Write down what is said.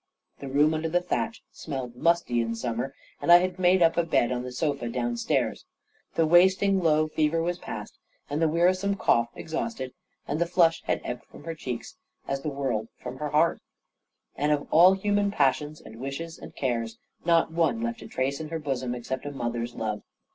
The room under the thatch smelled musty in summer, and I had made up a bed on the sofa downstairs. The wasting low fever was past, and the wearisome cough exhausted, and the flush had ebbed from her cheeks (as the world from her heart), and of all human passions, and wishes, and cares, not one left a trace in her bosom, except a mother's love.